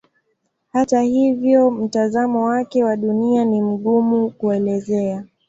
Hata hivyo mtazamo wake wa Dunia ni mgumu kuelezea.